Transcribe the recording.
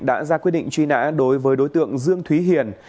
đã ra quyết định truy nã đối với đối tượng dương thúy hiền